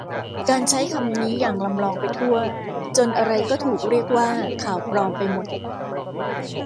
การใช้คำนี้อย่างลำลองไปทั่ว จนอะไรก็ถูกเรียกว่าข่าวปลอมไปหมด